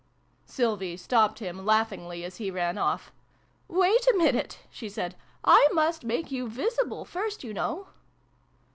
53 Sylvie stopped him, laughingly, as he ran off. "Wait a minute," she said. " I must make you visible first, you know."